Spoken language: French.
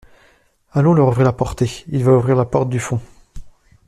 Allons leur ouvrir la porté. il va ouvrir la porte du fond.